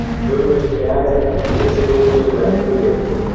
Vyombo vikaanza kurushwa huku na kule